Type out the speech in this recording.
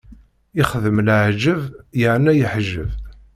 Ixdem laɛǧeb yerna yeḥjeb.